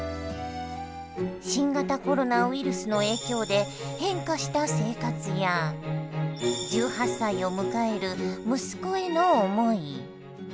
新型コロナウイルスの影響で変化した生活や１８歳を迎える息子への思い。